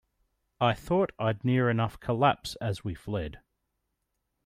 I thought I'd near enough collapse as we fled.